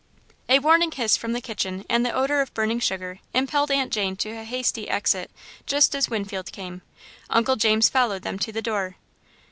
A warning hiss from the kitchen and the odour of burning sugar impelled Aunt Jane to a hasty exit just as Winfield came. Uncle James followed them to the door.